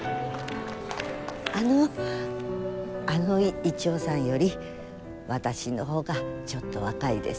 あのあのイチョウさんより私の方がちょっと若いです。